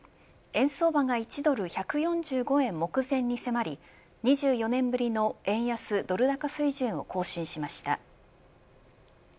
円相場が１ドル１４５円目前に迫り２４年ぶりの円安ドル高水準を更新しました。